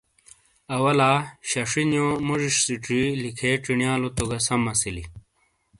آواہ لہ ششی نیو موزی سیچی لکھے چھینیا لو تو گہ سم اسیلی۔